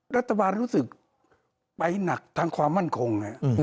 รัฐบาลรู้สึกไปหนักทางความมั่นคง